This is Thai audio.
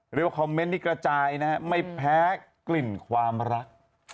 เรียกว่าคอมเมนต์นี้กระจายนะฮะไม่แพ้กลิ่นความรัก